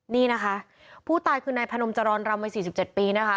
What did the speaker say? นี่นะคะผู้ตายคือในพนมจรรรม๔๗ปีนะคะ